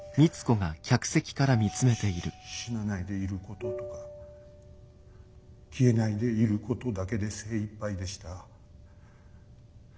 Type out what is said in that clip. ししし死なないでいることとか消えないでいることだけで精いっぱいでした。